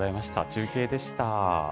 中継でした。